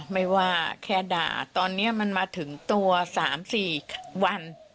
ไม่ว่าแค่ด่าตอนนี้มันมาถึงตัว๓๔วัน